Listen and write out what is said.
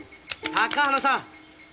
高原さん！